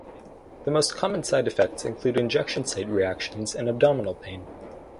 The most common side effects include injection site reactions and abdominal pain.